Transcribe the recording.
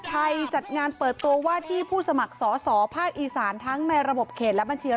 จัดงานเปิดตัวว่าที่ผู้สมัครสอสอภาคอีสานทั้งในระบบเขตและบัญชี